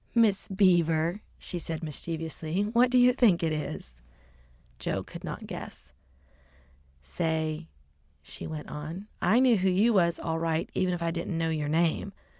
"Miss Beaver," she said mischievously. "What do you think it is?" Joe could not guess. "Say," she went on, "I knew who you was all right even if I didn't know yer name.